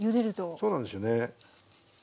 そうなんですよね。